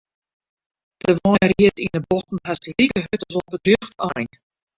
De wein ried yn 'e bochten hast like hurd as op it rjochte ein.